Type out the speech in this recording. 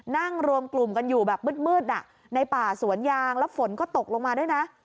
นั่งรวมกลุ่มกันอยู่แบบมืดในป่าสวนยางแล้วฝนก็ตกลงมาด้วยนะ